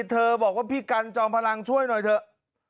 เธอบอกว่าพี่กันจอมพลังช่วยหน่อยเถอะ